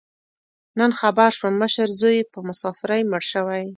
نن خبر شوم، مشر زوی یې په مسافرۍ مړ شوی.